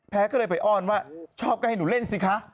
ก็เลยไปอ้อนว่าชอบก็ให้หนูเล่นสิคะ